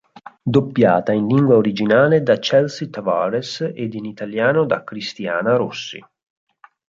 Doppiata in lingua originale da Chelsea Tavares ed in italiano da Cristiana Rossi.